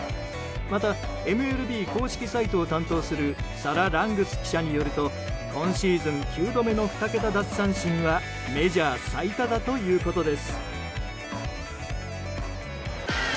またＭＬＢ公式サイトを担当するサラ・ラングス記者によると今シーズン９度目の２桁奪三振はメジャー最多だということです。